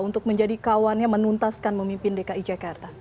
untuk menjadi kawannya menuntaskan memimpin dki jakarta